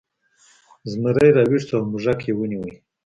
زمری راویښ شو او موږک یې ونیو.